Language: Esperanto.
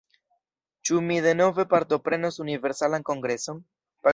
Ĉu mi denove partoprenos Universalan Kongreson?